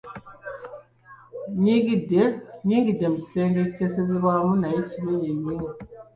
Nyingidde mu kisenge ekiteesezebwamu naye kinene nnyo.